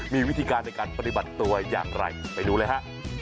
มีวิธีการในการปฏิบัติตัวอย่างไรไปดูเลยฮะ